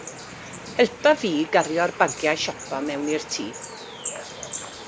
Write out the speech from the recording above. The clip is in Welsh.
Helpa fi i gario'r bagiau siopa mewn i'r tŷ.